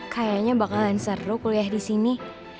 kayaknya bakalan seru kuliah di sini